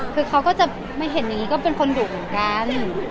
คือเขาก็จะไม่เห็นอย่างนี้ก็เป็นคนดุเหมือนกัน